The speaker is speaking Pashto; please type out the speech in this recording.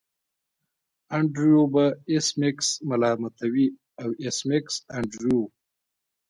انډریو به ایس میکس ملامتوي او ایس میکس انډریو